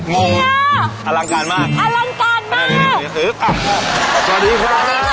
มีเวียงอาลังการมากแม่งเห็นแม่งเอ้อสวัสดีครับสวัสดีค่ะ